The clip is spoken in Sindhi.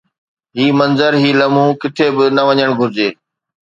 هي منظر، هي لمحو ڪٿي به نه وڃڻ گهرجي